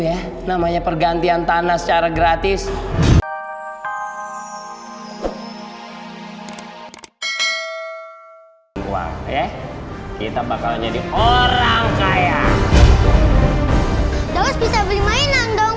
ya namanya pergantian tanah secara gratis wah ya kita bakal jadi orang kaya terus bisa beli mainan dong